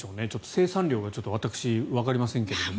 生産量が私、わかりませんけれども。